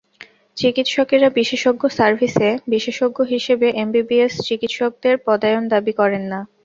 চিকিৎসকেরা বিশেষজ্ঞ সার্ভিসে বিশেষজ্ঞ হিসেবে এমবিবিএস চিকিৎসকদের পদায়ন দাবি করেন না।